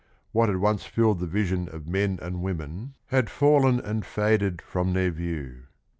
What had once filled the vision of men and women had fallen and faded from their view.